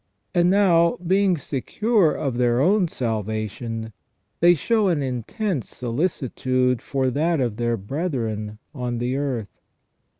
And now being secure of their own salvation, they show an intense solicitude for that of their brethren on the earth.